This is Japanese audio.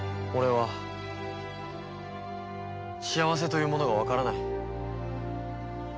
俺は幸せというものがわからない。